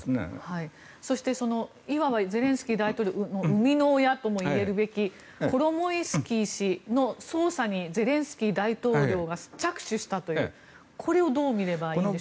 そして、いわばゼレンスキー大統領の生みの親ともいえるコロモイスキー氏の捜査にゼレンスキー大統領が着手したとこれをどう見ればいいんでしょうか。